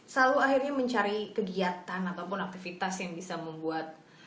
selalu akhirnya mencari kegiatan ataupun aktivitas yang bisa membuat